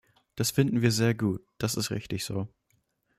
Das finden wir sehr gut, das ist richtig so.